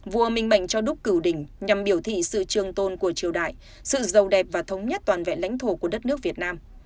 vua minh mệnh cho đúc cử đỉnh nhằm biểu thị sự trường tôn của triều đại sự giàu đẹp và thống nhất toàn vẹn lãnh thổ của đất nước việt nam